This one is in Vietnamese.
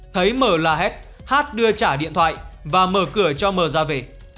thấy m là hết h đưa trả điện thoại và mở cửa cho m ra về